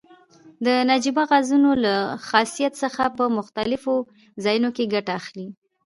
د نجیبه غازونو له خاصیت څخه په مختلفو ځایو کې ګټه اخلي.